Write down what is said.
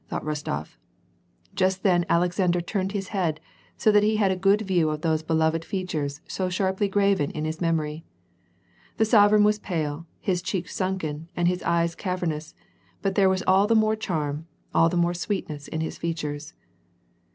" thought Rostof. Just then Alexander turned his head, so that he had a good view of those beloved features so sharply graven on his memory. The sovereign was pale, his cheeks sunken, and his eyes cavernous, but there was all the more charm, all the more sweetness in his features.